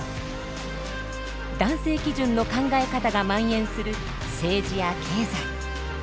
男性基準の考え方がまん延する政治や経済。